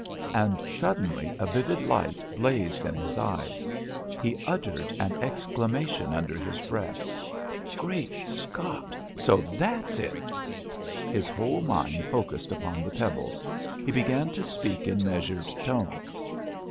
And suddenly a vivid light blazed in his eyes. He uttered an exclamation under his breath. "Great Scott! so that's it." His whole mind focused upon the pebbles; he began to speak in measured tones.